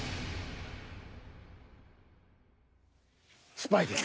スパイです。